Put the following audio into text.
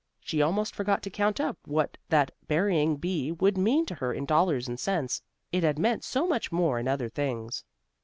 She almost forgot to count up what that berrying bee would mean to her in dollars and cents, it had meant so much more in other things.